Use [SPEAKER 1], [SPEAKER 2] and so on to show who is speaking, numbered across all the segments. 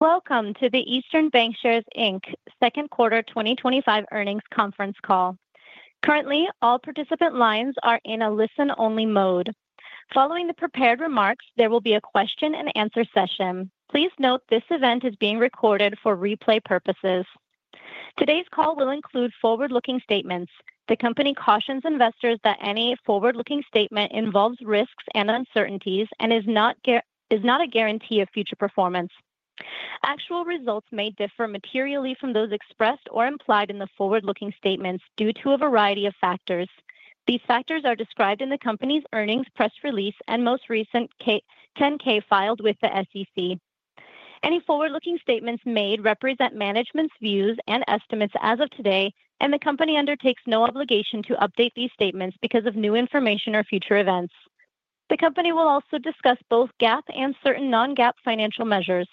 [SPEAKER 1] Welcome to the Eastern Bankshares, Inc. Second Quarter 2025 Earnings Conference Call. Currently, all participant lines are in a listen-only mode. Following the prepared remarks, there will be a question and answer session. Please note this event is being recorded for replay purposes. Today's call will include forward-looking statements. The Company cautions investors that any forward-looking statement involves risks and uncertainties and is not a guarantee of future performance. Actual results may differ materially from those expressed or implied in the forward-looking statements due to a variety of factors. These factors are described in the Company's earnings press release and most recent 10-K filed with the SEC. Any forward-looking statements made represent management's views and estimates as of today, and the Company undertakes no obligation to update these statements because of new information or future events. The Company will also discuss both GAAP and certain non-GAAP financial measures.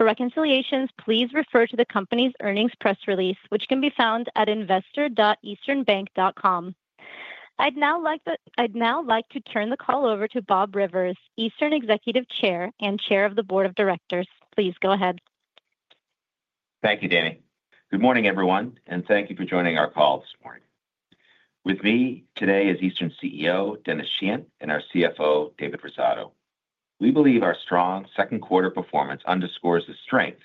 [SPEAKER 1] For reconciliations, please refer to the Company's earnings press release which can be found at investor.easternbank.com. I'd now like to turn the call over to Bob Rivers, Eastern Executive Chair and Chair of the Board of Directors. Please go ahead.
[SPEAKER 2] Thank you, Danny. Good morning, everyone, and thank you for joining our call this morning. With me today is Eastern Bankshares, Inc. CEO Denis Sheahan and our CFO David Rosato. We believe our strong second quarter performance underscores the strength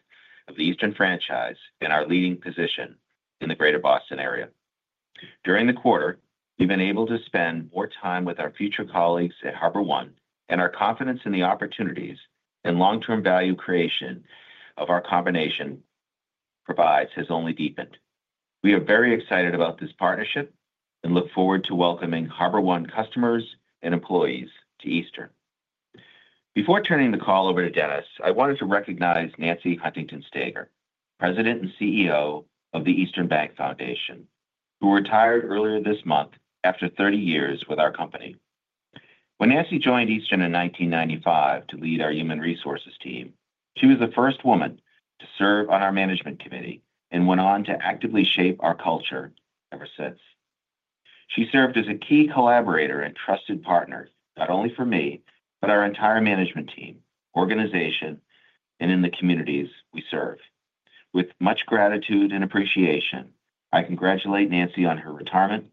[SPEAKER 2] of the Eastern franchise and our leading position in the Greater Boston area. During the quarter, we've been able to spend more time with our future colleagues at HarborOne, and our confidence in the opportunities and long-term value creation our combination provides has only deepened. We are very excited about this partnership and look forward to welcoming HarborOne customers and employees to Eastern. Before turning the call over to Denis, I wanted to recognize Nancy Huntington Stager, President and CEO of the Eastern Bank Foundation, who retired earlier this month after 30 years with our company. When Nancy joined Eastern in 1995 to lead our Human Resources team, she was the first woman to serve on our Management Committee and went on to actively shape our culture ever since. She served as a key collaborator and trusted partner not only for me, but our entire management team, organization, and in the communities we serve. With much gratitude and appreciation, I congratulate Nancy on her retirement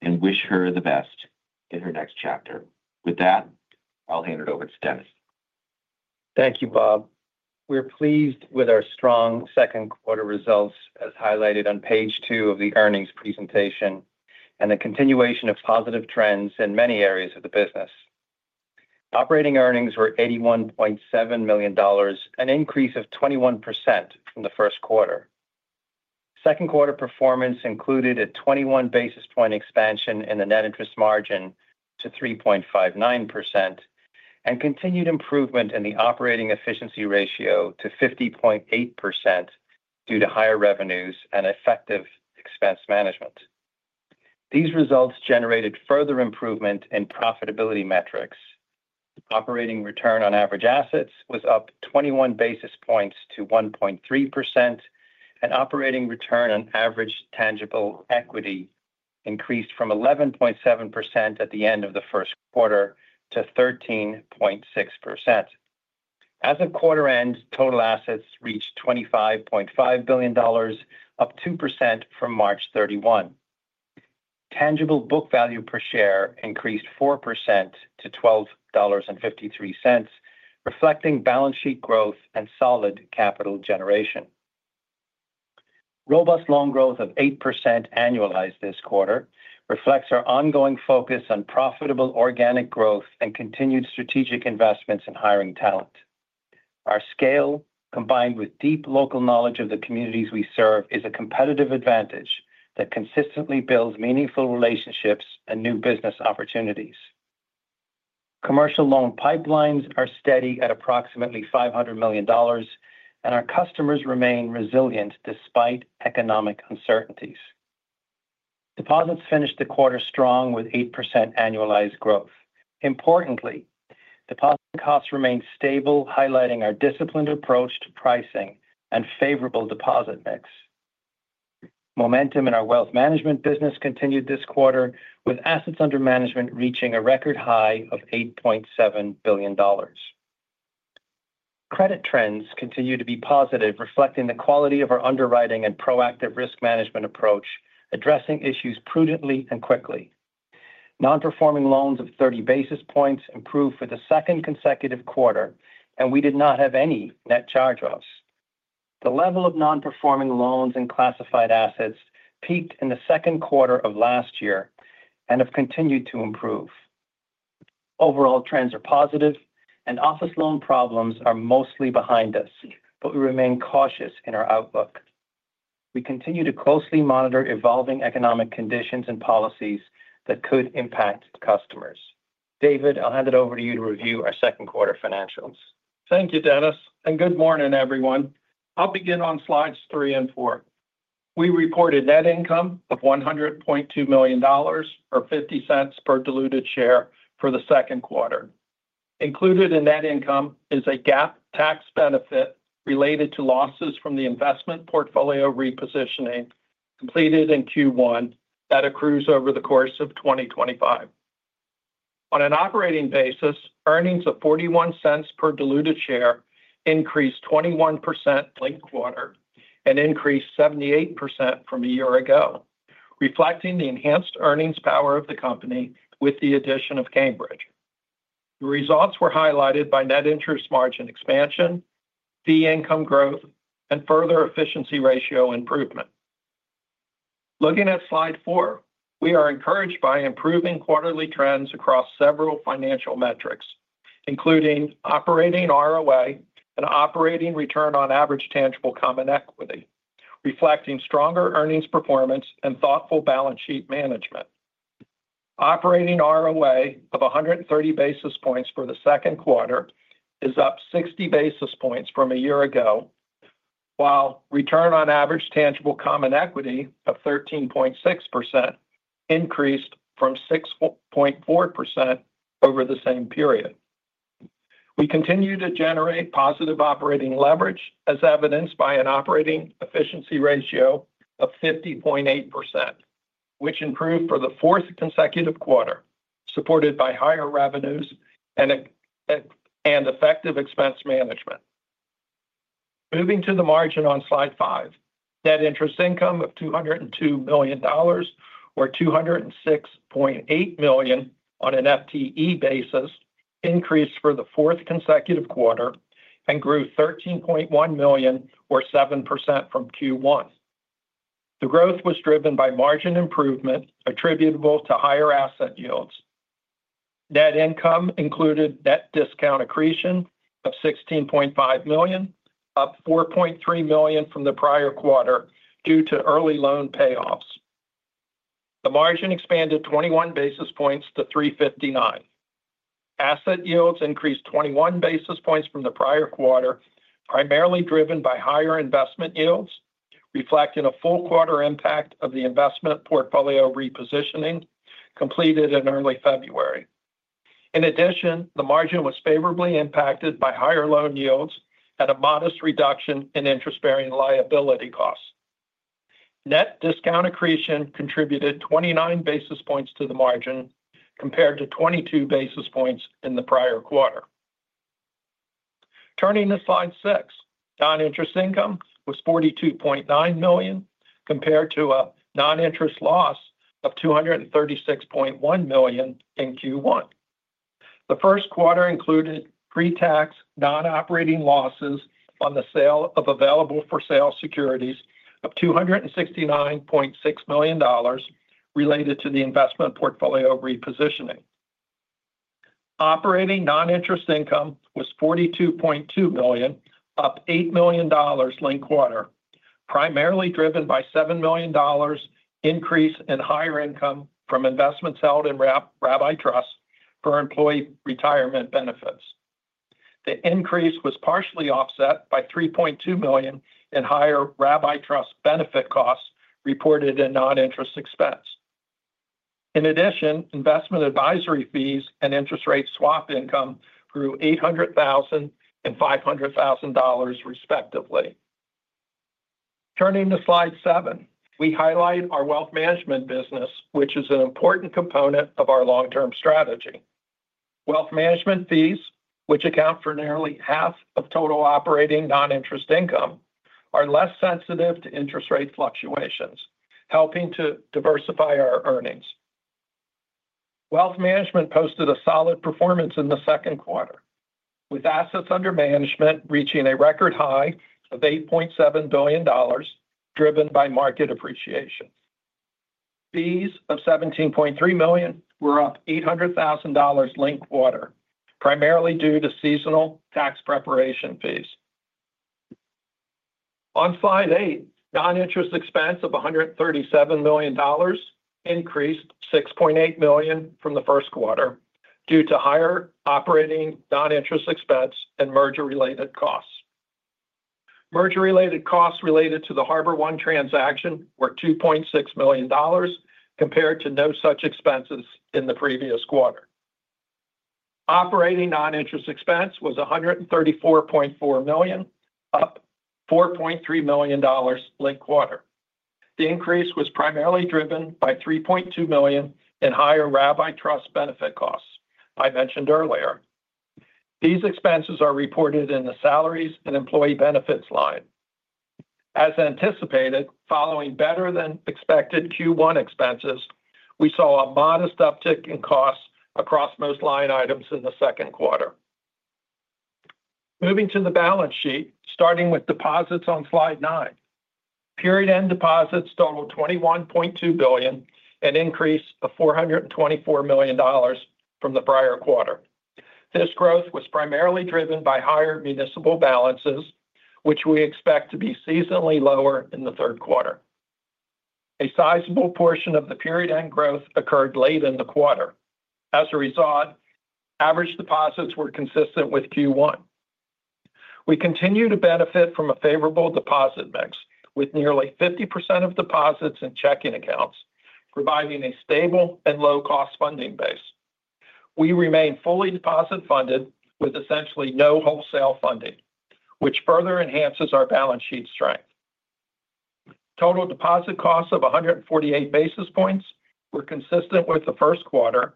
[SPEAKER 2] and wish her the best in her next chapter. With that, I'll hand it over to Denis.
[SPEAKER 3] Thank you, Bob. We're pleased with our strong second quarter results as highlighted on page two of the earnings presentation and the continuation of positive trends in many areas of the business. Operating earnings were $81.7 million, an increase of 21% from the first quarter. Second quarter performance included a 21 basis point expansion in the net interest margin to 3.59% and continued improvement in the operating efficiency ratio to 50.8% due to higher revenues and effective expense management. These results generated further improvement in profitability metrics. Operating return on average assets was up 21 basis points to 1.3% and operating return on average tangible equity increased from 11.7% at the end of the first quarter to 13.6% as of quarter end. Total assets reached $25.5 billion, up 2% from March 31. Tangible book value per share increased 4% to $12.53, reflecting balance sheet growth and solid capital generation. Robust loan growth of 8% annualized this quarter reflects our ongoing focus on profitable organic growth and continued strategic investments in hiring talent. Our scale, combined with deep local knowledge of the communities we serve, is a competitive advantage that consistently builds meaningful relationships and new business opportunities. Commercial loan pipelines are steady at approximately $500 million and our customers remain resilient despite economic uncertainties. Deposits finished the quarter strong with 8% annualized growth. Importantly, deposit costs remained stable, highlighting our disciplined approach to pricing and favorable deposit mix. Momentum in our wealth management business continued this quarter with assets under management reaching a record high of $8.7 billion. Credit trends continue to be positive, reflecting the quality of our underwriting and proactive risk management approach addressing issues prudently and quickly. Non-performing loans of 30 basis points improved for the second consecutive quarter and we did not have any net charge-offs. The level of non-performing loans and classified assets peaked in the second quarter of last year and have continued to improve. Overall trends are positive and office loan problems are mostly behind us, but we remain cautious in our outlook. We continue to closely monitor evolving economic conditions and policies that could impact customers. David, I'll hand it over to you to review our second quarter financials.
[SPEAKER 4] Thank you Denis and good morning everyone. I'll begin on slides 3 and 4. We reported net income of $100.2 million or $0.50 per diluted share for the second quarter. Included in that income is a GAAP tax benefit related to losses from the investment portfolio repositioning completed in Q1 that accrues over the course of 2025. On an operating basis, earnings of $0.41 per diluted share increased 21% late quarter and increased 78% from a year ago, reflecting the enhanced earnings power of the company and with the addition of Cambridge. The results were highlighted by net interest margin expansion, fee income growth, and further operating efficiency ratio improvement. Looking at slide 4, we are encouraged by improving quarterly trends across several financial metrics including operating ROA and operating return on average tangible common equity, reflecting stronger earnings performance and thoughtful balance sheet management. Operating ROA of 130 basis points for the second quarter is up 60 basis points from a year ago, while return on average tangible common equity of 13.6% increased from 6.4% over the same period. We continue to generate positive operating leverage as evidenced by an operating efficiency ratio of 50.8% which improved for the fourth consecutive quarter, supported by higher revenues and effective expense management. Moving to the margin on slide 5, net interest income of $202 million or $206.8 million on an FTE basis increased for the fourth consecutive quarter and grew $13.1 million or 7% from Q1. The growth was driven by margin improvement attributable to higher asset yields. Net income included net discount accretion of $16.5 million, up $4.3 million from the prior quarter due to early loan payoffs. The margin expanded 21 basis points to 359. Asset yields increased 21 basis points from the prior quarter, primarily driven by higher investment yields reflecting a full quarter impact of the investment portfolio repositioning completed in early February. In addition, the margin was favorably impacted by higher loan yields and a modest reduction in interest bearing liability costs. Net discount accretion contributed 29 basis points to the margin compared to 22 basis points in the prior quarter. Turning to slide 6, non-interest income was $42.9 million compared to a non-interest loss of $236.1 million in Q1. The first quarter included pre-tax non-operating losses on the sale of available-for-sale securities of $269.6 million related to the investment portfolio repositioning. Operating non-interest income was $42.2 million, up $8 million linked quarter, primarily driven by a $7 million increase in higher income from investments held in rabbi trust for employee retirement benefits. The increase was partially offset by $3.2 million in higher rabbi trust benefit costs reported in non-interest expense. In addition, investment advisory fees and interest rate swap income grew $800,000 and $500,000, respectively. Turning to slide 7, we highlight our wealth management business, which is an important component of our long-term strategy. Wealth management fees, which account for nearly half of total operating non-interest income, are less sensitive to interest rate fluctuations, helping to diversify our earnings. Wealth management posted a solid performance in the second quarter with assets under management reaching a record high of $8.7 billion, driven by market appreciation. Fees of $17.3 million were up $800,000 linked quarter, primarily due to seasonal tax preparation fees. On slide 8, non-interest expense of $137 million increased $6.8 million from the first quarter due to higher operating non-interest expense and merger-related costs. Merger-related costs related to the HarborOne transaction were $2.6 million compared to no such expenses in the previous quarter. Operating non-interest expense was $134.4 million, up $4.3 million linked quarter. The increase was primarily driven by $3.2 million in higher rabbi trust benefit costs I mentioned earlier. These expenses are reported in the salaries and employee benefits line. As anticipated following better-than-expected Q1 expenses, we saw a modest uptick in costs across most line items in the second quarter. Moving to the balance sheet, starting with deposits on slide 9, period-end deposits totaled $21.2 billion, an increase of $424 million from the prior quarter. This growth was primarily driven by higher municipal balances, which we expect to be seasonally lower in the third quarter. A sizable portion of the period-end growth occurred late in the quarter. As a result, average deposits were consistent with Q1. We continue to benefit from a favorable deposit mix with nearly 50% of deposits in checking accounts, providing a stable and low-cost funding base. We remain fully deposit funded with essentially no wholesale funding, which further enhances our balance sheet strength. Total deposit costs of 148 basis points were consistent with the first quarter,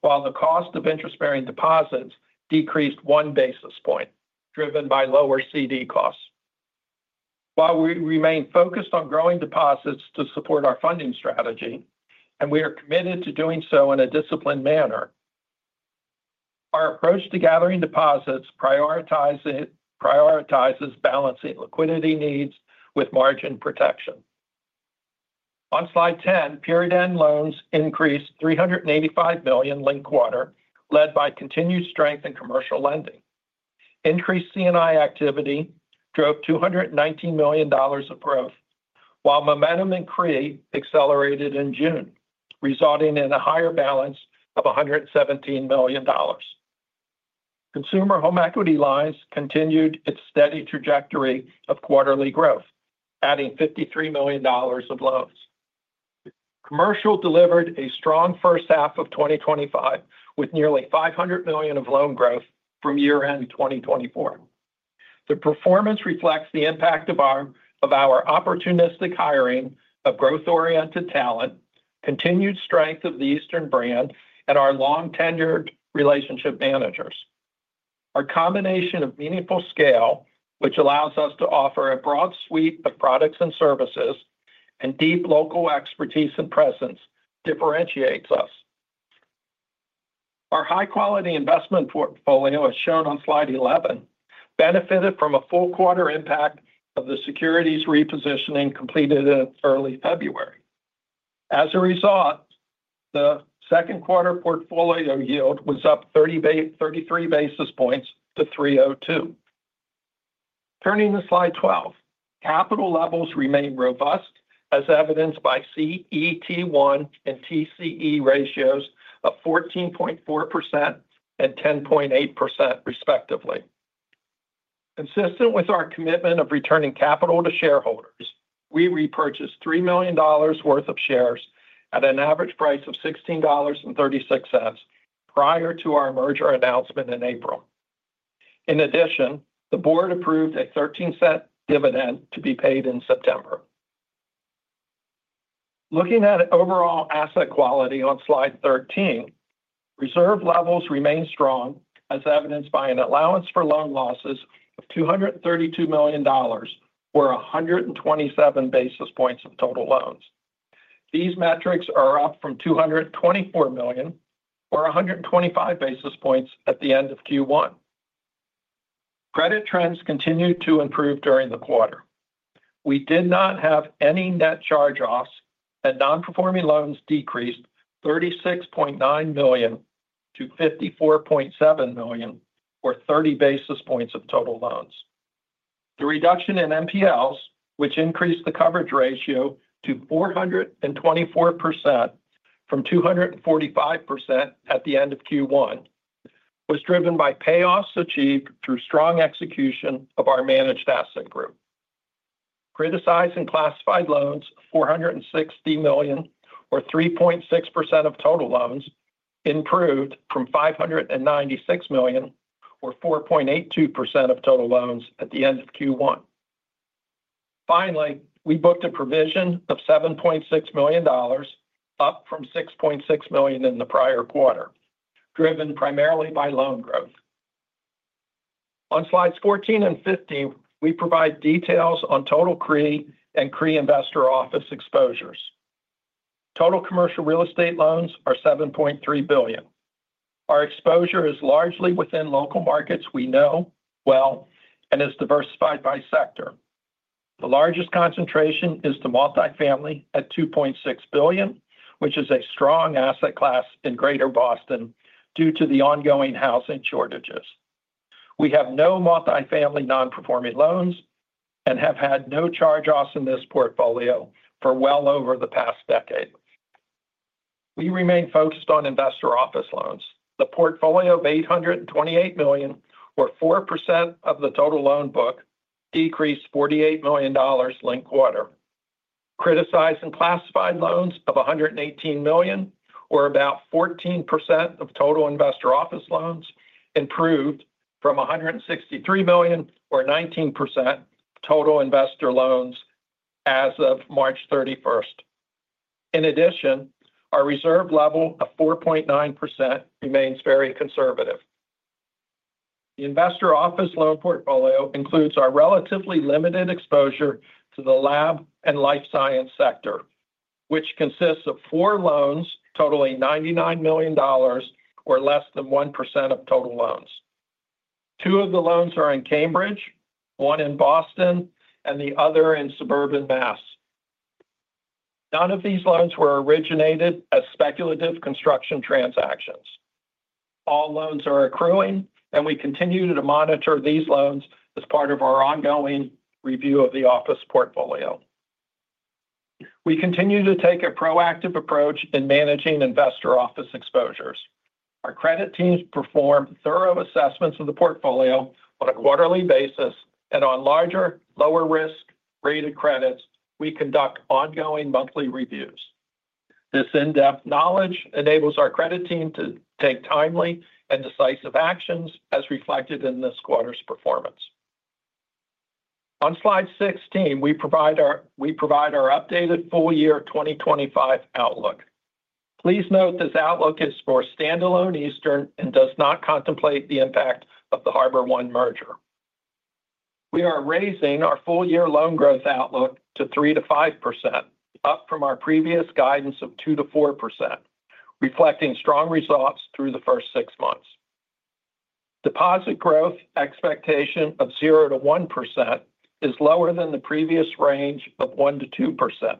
[SPEAKER 4] while the cost of interest bearing deposits decreased 1 basis point, driven by lower CD costs. While we remain focused on growing deposits to support our funding strategy and we are committed to doing so in a disciplined manner, our approach to gathering deposits prioritizes balancing liquidity needs with margin protection. On slide 10, period end loans increased $385 million linked quarter, led by continued strength in commercial lending. Increased CNI activity drove $219 million of growth, while momentum in CRE accelerated in June, resulting in a higher balance of $117 million. Consumer home equity lines continued its steady trajectory of quarterly growth, adding $53 million of loans. Commercial delivered a strong first half of 2025 with nearly $500 million of loan growth from year end 2024. The performance reflects the impact of our opportunistic hiring of growth oriented talent, continued strength of the Eastern brand, and our long tenured relationship managers. Our combination of meaningful scale, which allows us to offer a broad suite of products and services, and deep local expertise and presence differentiates us. Our high quality investment portfolio, as shown on slide 11, benefited from a full quarter impact of the securities repositioning completed in early February. As a result, the second quarter portfolio yield was up 30.33 basis points to 3.02%. Turning to slide 12, capital levels remain robust as evidenced by CET1 and TCE ratios of 14.4% and 10.8%, respectively. Consistent with our commitment of returning capital to shareholders, we repurchased $3 million worth of shares at an average price of $16.36 prior to our merger announcement in April. In addition, the board approved a $0.13 dividend to be paid in September. Looking at overall asset quality on slide 13, reserve levels remain strong as evidenced by an allowance for loan losses of $232 million or 127 basis points of total loans. These metrics are up from $224 million or 125 basis points at the end of Q1. Credit trends continued to improve during the quarter. We did not have any net charge-offs, and non-performing loans decreased $36.9 million to $54.7 million or 30 basis points of total loans. The reduction in NPLs, which increased the coverage ratio to 424% from 245% at the end of Q1, was driven by payoffs achieved through strong execution of our Managed Asset Group criticized and classified loans. $460 million, or 3.6% of total loans, improved from $596 million, or 4.82% of total loans at the end of Q1. Finally, we booked a provision of $7.6 million, up from $6.6 million in the prior quarter, driven primarily by loan growth. On slides 14 and 15, we provide details on total CRE and CRE Investor Office exposures. Total commercial real estate loans are $7.3 billion. Our exposure is largely within local markets we know well and is diversified by sector. The largest concentration is the multifamily at $2.6 billion, which is a strong asset class in Greater Boston. Due to the ongoing housing shortages, we have no multifamily non-performing loans and have had no charge-offs in this portfolio for well over the past decade. We remain focused on investor office loans. The portfolio of $828 million, or 4% of the total loan book, decreased $48 million. Linked quarter criticized and classified loans of $118 million, or about 14% of total investor office loans, improved from $163 million, or 19% total investor office loans as of March 31. In addition, our reserve level of 4.9% remains very conservative. The investor office loan portfolio includes our relatively limited exposure to the lab and life science sector, which consists of four loans totaling $99 million, or less than 1% of total loans. Two of the loans are in Cambridge, one in Boston, and the other in suburban Mass. None of these loans were originated as speculative construction transactions. All loans are accruing, and we continue to monitor these loans as part of our ongoing review of the office portfolio. We continue to take a proactive approach in managing investor office exposures. Our credit teams perform thorough assessments of the portfolio on a quarterly basis and on larger lower risk rated credits, we conduct ongoing monthly reviews. This in-depth knowledge enables our credit team to take timely and decisive actions as reflected in this quarter's performance. On Slide 16, we provide our updated full year 2025 outlook. Please note this outlook is for standalone Eastern and does not contemplate the impact of the HarborOne merger. We are raising our full year loan growth outlook to 3%-5%, up from our previous guidance of 2%-4%, reflecting strong results through the first six months. Deposit growth expectation of 0%-1% is lower than the previous range of 1%-2%.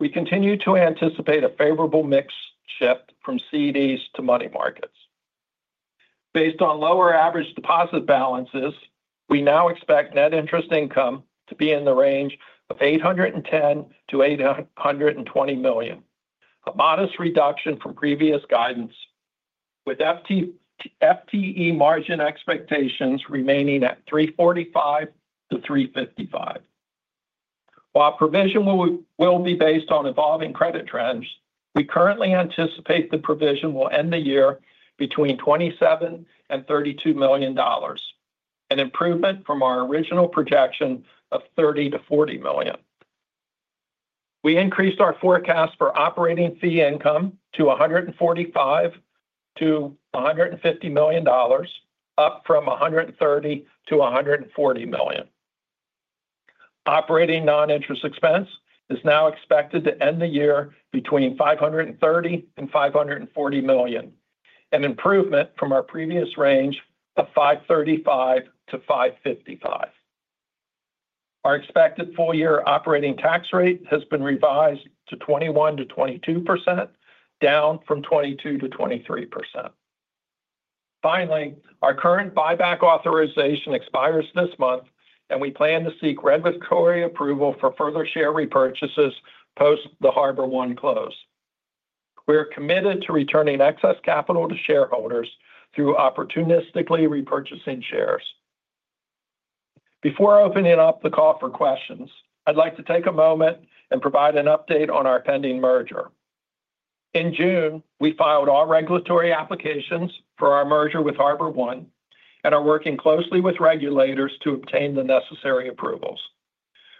[SPEAKER 4] We continue to anticipate a favorable mix shift from CDs to money markets based on lower average deposit balances. We now expect net interest income to be in the range of $810 million-$820 million, a modest reduction from previous guidance with FTE margin expectations remaining at $345 million-$355 million, while provision will be based on evolving credit trends. We currently anticipate the provision will end the year between $27 and $32 million, an improvement from our original projection of $30 million-$40 million. We increased our forecast for operating fee income to $145 miillion-$150 million, up from $130 million-$140 million. Operating non-interest expense is now expected to end the year between $530 and $540 million, an improvement from our previous range of $535 million-$555 million. Our expected full year operating tax rate has been revised to 21 %-22%, down from 22%-23%. Finally, our current buyback authorization expires this month and we plan to seek Redwood COA approval for further share repurchases post the HarborOne close. We are committed to returning excess capital to shareholders through opportunistically repurchasing shares. Before opening up the call for questions, I'd like to take a moment and provide an update on our pending merger. In June we filed all regulatory applications for our merger with HarborOne and are working closely with regulators to obtain the necessary approvals.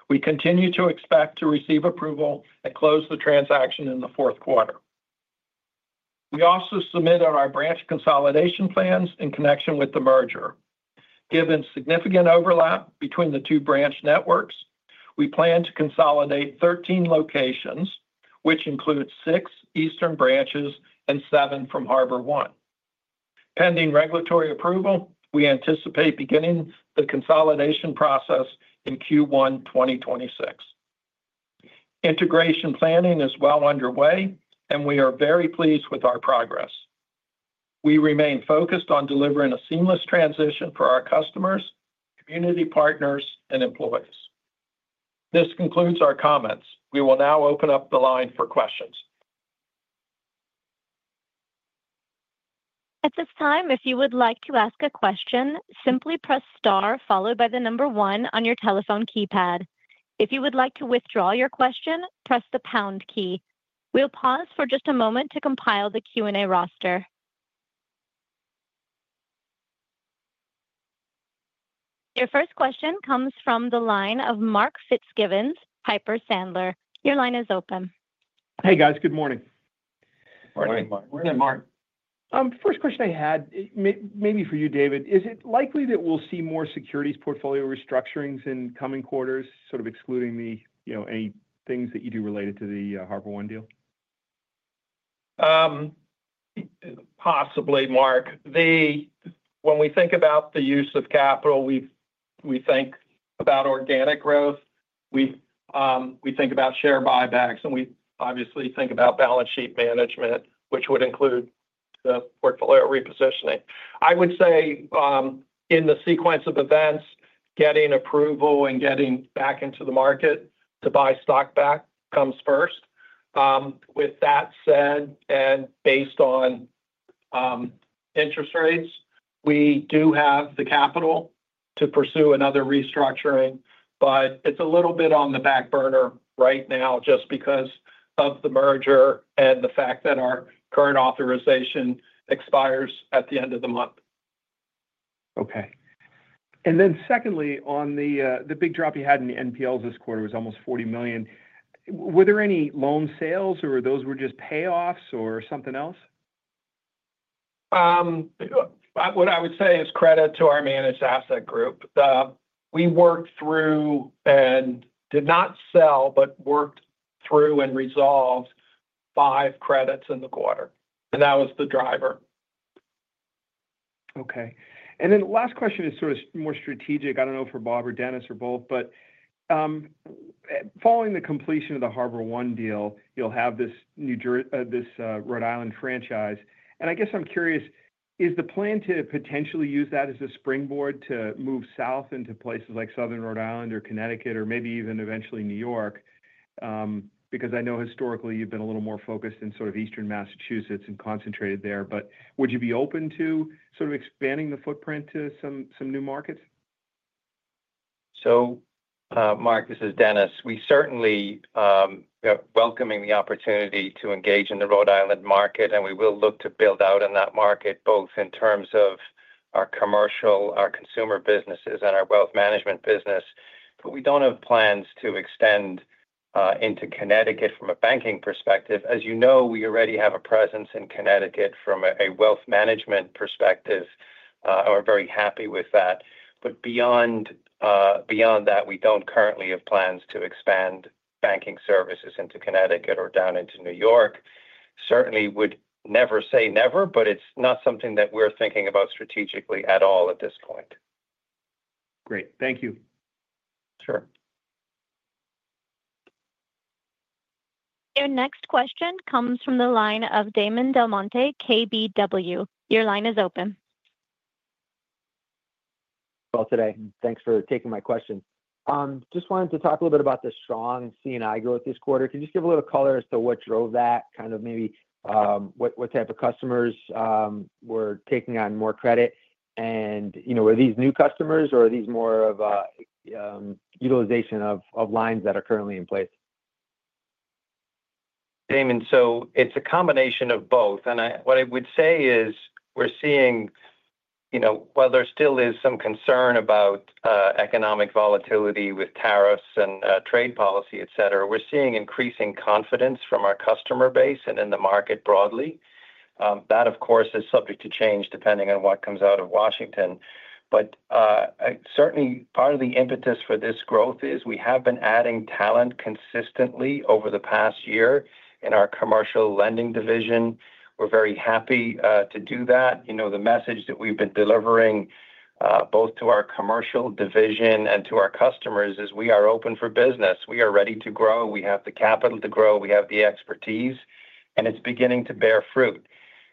[SPEAKER 4] We continue to expect to receive approval and close the transaction in the fourth quarter. We also submitted our branch consolidation plans in connection with the merger. Given significant overlap between the two branch networks, we plan to consolidate 13 locations, which include six Eastern branches and seven from HarborOne, pending regulatory approval. We anticipate beginning the consolidation process in Q1 2026. Integration planning is well underway and we are very pleased with our progress. We remain focused on delivering a seamless transition for our customers, community partners, and employees. This concludes our comments. We will now open up the line for questions.
[SPEAKER 1] At this time, if you would like to ask a question, simply press Star followed by the number one on your telephone keypad. If you would like to withdraw your question, press the pound key. We'll pause for just a moment to compile the Q and A roster. Your first question comes from the line of Mark Fitzgibbon, Piper Sandler. Your line is open.
[SPEAKER 5] Hey guys, good morning. Good morning, Mark. First question I had maybe for you, David. Is it likely that we'll see more securities portfolio restructurings in coming quarters, excluding anything that you do related to the HarborOne deal?
[SPEAKER 4] Mark, when we think about the use of capital, we think about organic growth, we think about share buybacks, and we obviously think about balance sheet management, which would include the portfolio repositioning. I would say in the sequence of events, getting approval and getting back into the market to buy stock back comes first. With that said, and based on interest rates, we do have the capital to pursue another restructuring, but it's a little bit on the back burner right now just because of the merger and the fact that our current authorization expires at the end of the month.
[SPEAKER 5] Okay. On the big drop you had in NPLs this quarter, it was almost $40 million. Were there any loan sales, or were those just payoffs or something else?
[SPEAKER 4] What I would say is credit to our managed asset group. We worked through and did not sell, but worked through and resolved five credits in the quarter. That was the driver.
[SPEAKER 5] Okay, and then last question is sort of more strategic. I don't know for Bob or Denis or both, but following the completion of the HarborOne deal, you'll have this [New Jer--], this Rhode Island franchise. I guess I'm curious, is the plan to potentially use that as a springboard to move south into places like Southern Rhode Island or Connecticut or maybe even eventually New York? I know historically you've been a little more focused in sort of eastern Massachusetts and concentrated there, but would you be open to sort of expanding the footprint to some new markets?
[SPEAKER 3] Mark, this is Denis. We certainly are welcoming the opportunity to engage in the Rhode Island market, and we will look to build out in that market both in terms of our commercial, our consumer businesses, and our wealth management business. We don't have plans to extend into Connecticut from a banking perspective. As you know, we already have a presence in Connecticut from a wealth management perspective, and we're very happy with that. Beyond that, we don't currently have plans to expand banking services into Connecticut or down into New York. Certainly would never say never, but it's not something that we're thinking about strategically at all at this point.
[SPEAKER 5] Great, thank you.
[SPEAKER 1] Your next question comes from the line of Damon DelMonte, KBW. Your line is open.
[SPEAKER 6] Thank you for taking my question. I just wanted to talk a little bit about the strong CNI growth this quarter. Can you just give a little color as to what drove that, maybe what type of customers were taking on more credit, and are these new customers or are these more of utilization of lines that are currently in place?
[SPEAKER 3] It's a combination of both. What I would say is we're seeing, you know, while there still is some concern about economic volatility with tariffs and trade policy, et cetera, we're seeing increasing confidence from our customer base and in the market broadly. That, of course, is subject to change depending on what comes out of Washington. Certainly part of the impetus for this growth is we have been adding talent consistently over the past year in our commercial lending division. We're very happy to do that. You know, the message that we've been delivering both to our commercial division and to our customers is we are open for business, we are ready to grow, we have the capital to grow, we have the expertise overseas and it's beginning to bear fruit.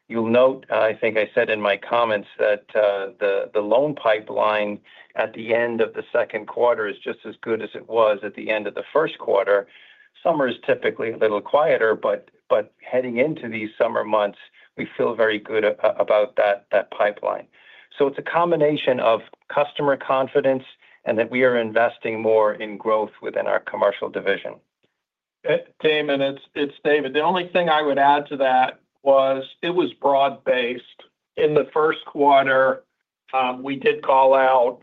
[SPEAKER 3] You'll note, I think I said in my comments, that the loan pipeline at the end of the second quarter is just as good as it was at the end of the first quarter. Summer is typically a little quieter, but heading into these summer months, we feel very good about that pipeline. It's a combination of customer confidence and that we are investing more in growth within our commercial division.
[SPEAKER 4] It's David. The only thing I would add to that was it was broad based. In the first quarter we did call out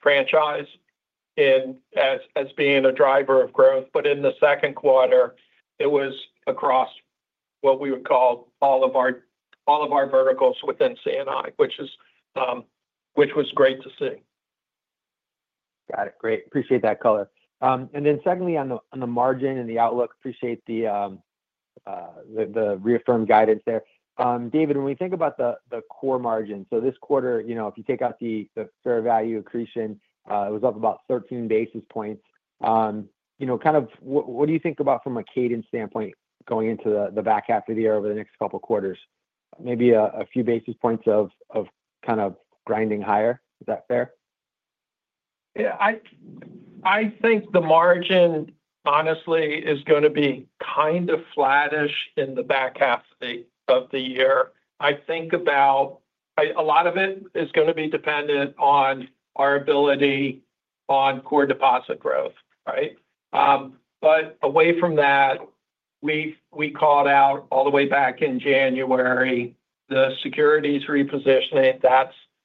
[SPEAKER 4] franchise as being a driver of growth, but in the second quarter it was across what we would call all of our verticals within CNI, which was great to see.
[SPEAKER 6] Got it. Great. Appreciate that color. Secondly, on the margin and the outlook, appreciate the reaffirmed guidance there. David, when we think about the core margin, this quarter, if you take out the fair value accretion, it was up about 13 basis points. What do you think about from a cadence standpoint going into the back half of the year over the next couple quarters, maybe a few basis points of kind of grinding higher. Is that fair?
[SPEAKER 4] Yeah, I think the margin honestly is going to be kind of flattish in the back half of the year. I think a lot of it is going to be dependent on our ability on core deposit growth. Right. Away from that, we called out all the way back in January the securities repositioning,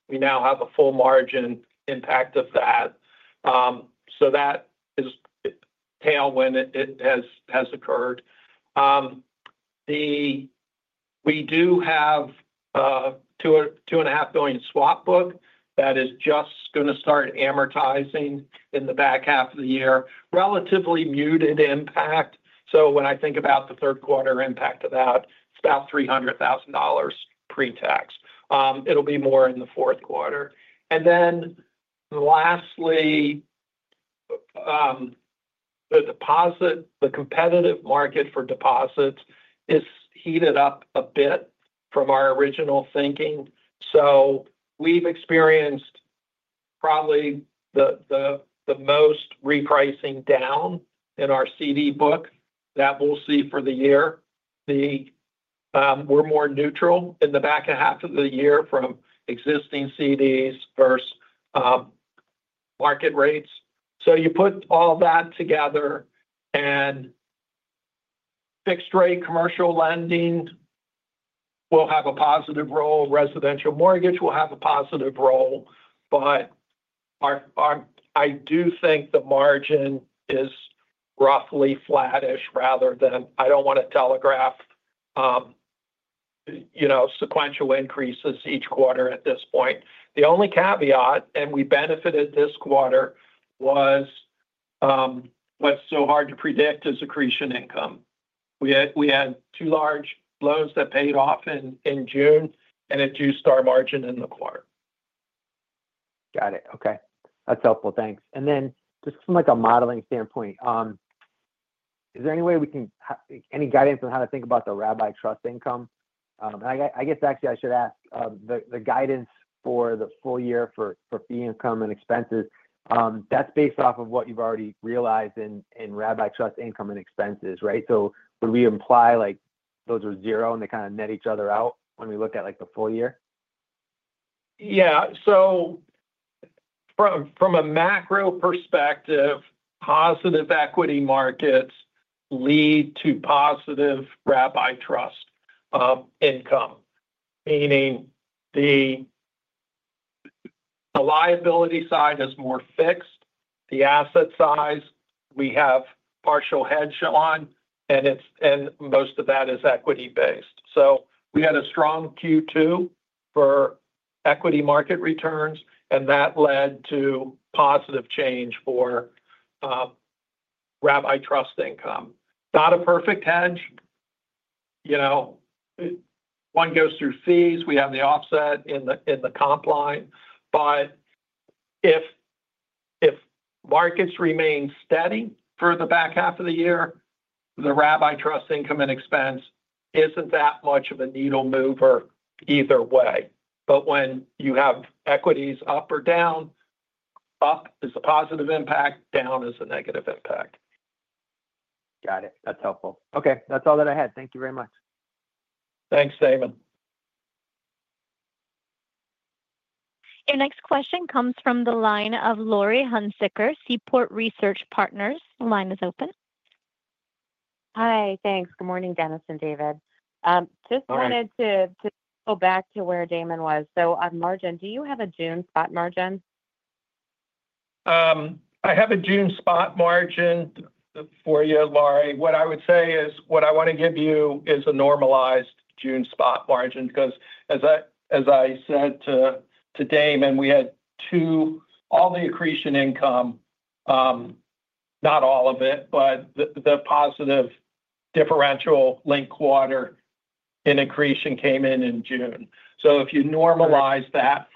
[SPEAKER 4] we now have a full margin impact of that. That is a tailwind that has occurred. We do have a $2.5 billion swap book that is just going to start amortizing in the back half of the year, with a relatively muted impact. When I think about the third quarter impact of that, about $300,000 pre-tax, it'll be more in the fourth quarter. Lastly, the competitive market for deposits has heated up a bit from our original thinking. We've experienced probably the most repricing down in our CD book that we'll see for the year. We're more neutral in the back half of the year from existing CDs versus market rates. You put all that together and fixed rate commercial lending will have a positive role. Residential mortgage will have a positive role. I do think the margin is roughly flattish rather than, I don't want to telegraph, you know, sequential increases each quarter at this point. The only caveat, and we benefited this quarter, was what's so hard to predict is accretion income. We had two large loans that paid off in June and it juiced our margin in the quarter.
[SPEAKER 6] Got it. Okay, that's helpful, thanks. Just from a modeling standpoint, is there any way we can get any guidance on how to think about the rabbi trust income? I guess actually I should ask the guidance for the full year for fee income and expenses. That's based off of what you've already realized in RABBI trust income and expenses, right? Would we imply those are zero and they kind of net each other out when we look at the full year?
[SPEAKER 4] Yeah. From a macro perspective, positive equity markets lead to positive rabbi trust income, meaning the liability side is more fixed. The asset side we have partial hedge on, and most of that is equity based. We had a strong Q2 for equity market returns, and that led to positive change for rabbi trust income. Not a perfect hedge. One goes through fees. We have the offset in the compliment. If markets remain steady for the back half of the year, the rabbi trust income and expense isn't that much of a needle mover either way. When you have equities up or down, up is a positive impact, down is a negative impact.
[SPEAKER 6] Got it. That's helpful. Okay. That's all that I had. Thank you very much.
[SPEAKER 4] Thanks. Damon.
[SPEAKER 1] Your next question comes from the line of Laurie Hunsicker, Seaport Research Partners. Line is open. Hi, thanks.
[SPEAKER 7] Good morning. Denis and David, just wanted to go back to where Damon was. Margin, do you have a June spot margin?
[SPEAKER 4] I have a June spot margin for you, Laurie. What I would say is what I want to give you is a normalized June spot margin. As I said to Damon, we had two, all the accretion income, not all of it, but the positive differential linked quarter in accretion came in, in June. If you normalize that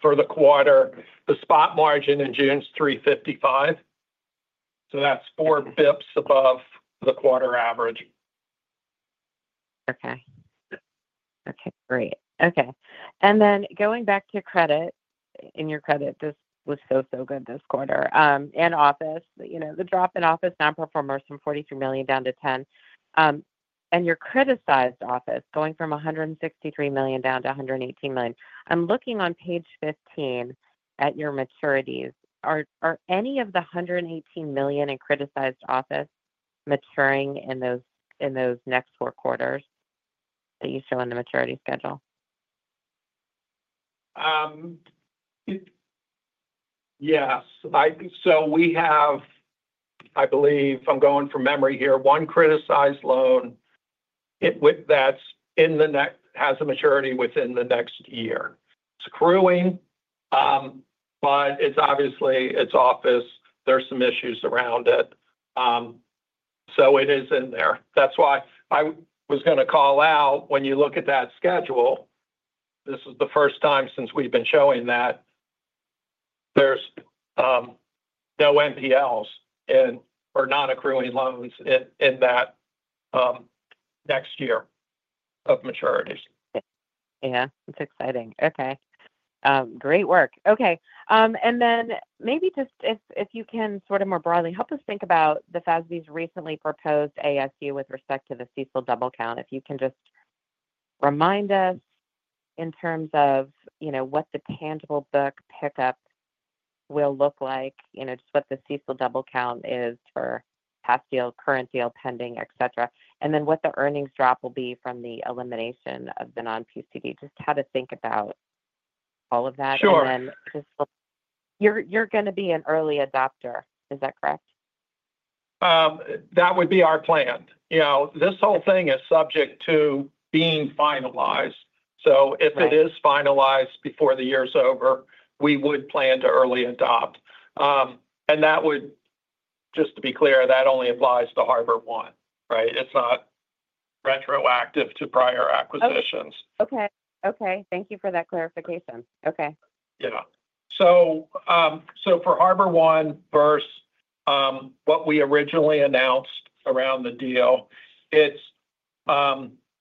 [SPEAKER 4] for the quarter, the spot margin in June is 3.55%. That's four basis points above the quarter average.
[SPEAKER 7] Okay, great. Going back to credit, your credit was so good this quarter and office, you know, the drop in office non-performers from $43 million down to $10 million and your criticized office going from $163 million down to $118 million. I'm looking on page 15 at your maturities. Are any of the $118 million in criticized office maturing in those next four quarters that you show on the maturity schedule?
[SPEAKER 4] Yes. We have, I believe I'm going from memory here, one criticized loan that's in the next has a maturity within the next year. It's accruing, but it's obviously it's office. There's some issues around it. It is in there. That's why I was going to call out. When you look at that schedule, this is the first time since we've been showing that there's no NPLs or non-accruing loans in that next year of maturities.
[SPEAKER 7] Yeah, it's exciting. Okay, great work. Okay. Maybe just if you can sort of more broadly help us think about the FASB's recently proposed ASU with respect to the CECL double count. If you can just remind us in terms of, you know, what the tangible book pickup will look like, you know, just what the CECL double count is for past deal, current deal pending, etc. What the earnings drop will be from the elimination of the non PCD. Just how to think about all of that. You're going to be an early adopter, is that correct?
[SPEAKER 4] That would be our plan. This whole thing is subject to being finalized. If it is finalized before the year's over, we would plan to early adopt. Just to be clear, that only applies to HarborOne Bancorp. It's not retroactive to prior acquisitions.
[SPEAKER 7] Okay, thank you for that clarification.
[SPEAKER 4] Okay, for HarborOne versus what we originally announced around the deal, it's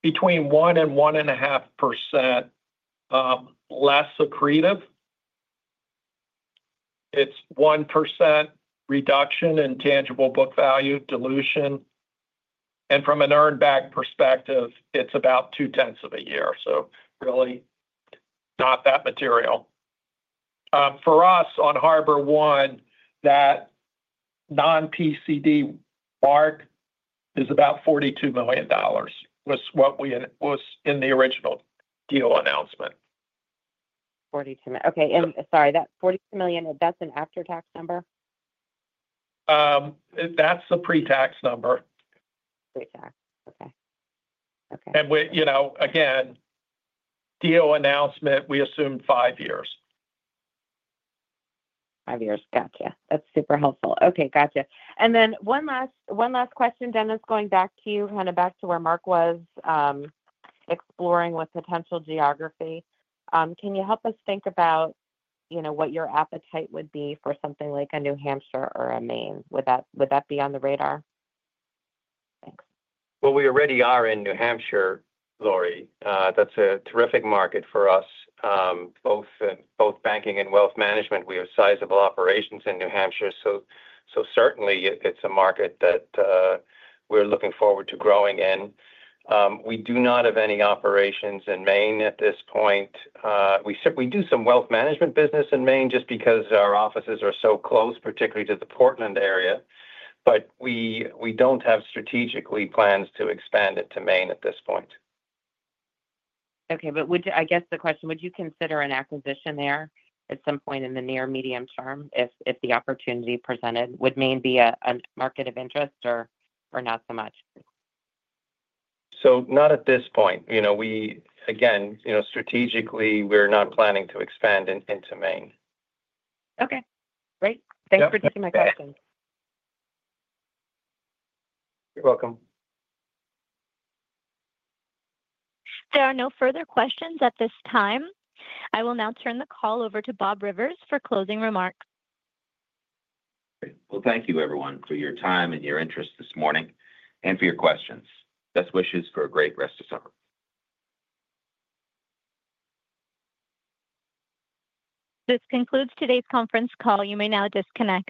[SPEAKER 4] between 1% and 1.5% less accretive. It's 1% reduction in tangible book value dilution, and from an earn back perspective, it's about 2/10 of a year. Really not that material for us on HarborOne. That non-PCD mark is about $42 million, which was in the original deal announcement.
[SPEAKER 7] Okay. Sorry, that $42 million, that's an after-tax number.
[SPEAKER 4] That's the pre-tax number.
[SPEAKER 7] Pre tax. Okay. Okay.
[SPEAKER 4] Deal announcement, we assumed five years.
[SPEAKER 7] Five years. Gotcha. That's super helpful. Okay, gotcha. One last question, Denis. Going back to you, kind of back to where Mark was exploring with potential geography. Can you help us think about, you know, what your appetite would be for something like a New Hampshire or a Maine? Would that be on the radar?
[SPEAKER 3] Thanks. We already are in New Hampshire, Laurie. That's a terrific market for us, both banking and wealth management. We have sizable operations in New Hampshire, so certainly it's a market that we're looking forward to growing in. We do not have any operations in Maine at this point. We do some wealth management business in Maine just because our offices are so close, particularly to the Portland area. We don't have strategically plans to expand it to Maine at this point.
[SPEAKER 7] Okay, I guess the question is would you consider an acquisition there at some point in the near or medium term if the opportunity presented itself. Would Maine be a market of interest or not so much?
[SPEAKER 3] At this point, you know, strategically we're not planning to expand into Maine.
[SPEAKER 7] Okay, great. Thanks for taking my questions.
[SPEAKER 4] You're welcome.
[SPEAKER 1] There are no further questions at this time. I will now turn the call over to Bob Rivers for closing remarks.
[SPEAKER 2] Thank you, everyone, for your time and your interest this morning and for your questions. Best wishes for a great rest of summer.
[SPEAKER 1] This concludes today's conference call. You may now disconnect.